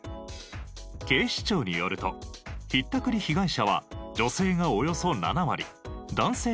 警視庁によるとひったくり被害者は女性がおよそ７割男性が３割。